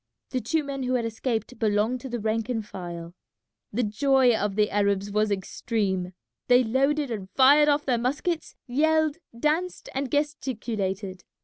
The two men who had escaped belonged to the rank and file. The joy of the Arabs was extreme. They loaded and fired off their muskets, yelled, danced, and gesticulated.